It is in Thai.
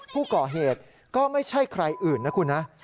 ผู้ก่อเหตุก็ไม่ใช่ใครอื่นนะคุณนะ